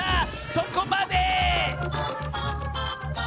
そこまで！